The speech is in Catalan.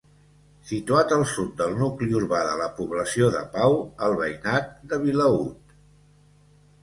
Situat al sud del nucli urbà de la població de Pau, al veïnat de Vilaüt.